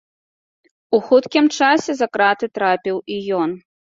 У хуткім часе за краты трапіў і ён.